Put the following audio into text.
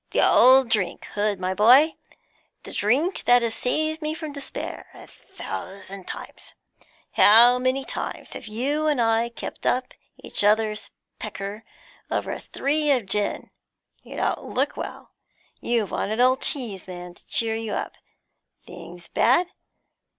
'The old drink, Hood, my boy; the drink that has saved me from despair a thousand times. How many times have you and I kept up each other's pecker over a three of gin! You don't look well; you've wanted old Cheeseman to cheer you up. Things bad?